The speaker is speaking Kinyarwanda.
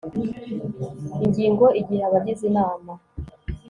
Ingingo Igihe abagize Inama